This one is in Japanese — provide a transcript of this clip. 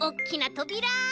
とびら？